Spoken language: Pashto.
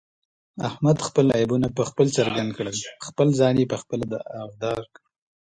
احمد خپل عیبونه په خپله څرګند کړل، خپل ځان یې په خپله داغدارکړ.